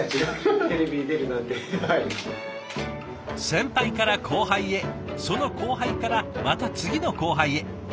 先輩から後輩へその後輩からまた次の後輩へ。